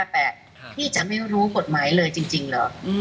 แต่พี่จะไม่รู้กฎหมายเลยจริงเหรอ